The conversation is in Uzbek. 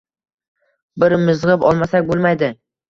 Bir mizg‘ib olmasak bo‘lmaydi.